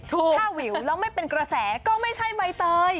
ถ้าวิวแล้วไม่เป็นกระแสก็ไม่ใช่ใบเตย